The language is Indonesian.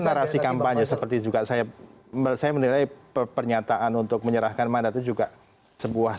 terasi kampanye seperti juga saya merasa menilai pernyataan untuk menyerahkan mana itu juga sebuah